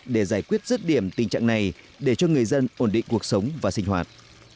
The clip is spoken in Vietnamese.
để giải quyết rứt điểm tình trạng này để cho người dân ổn định cuộc sống và sinh hoạt